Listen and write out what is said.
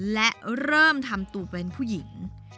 และเริ่มทำตัวเป็นผู้หญิง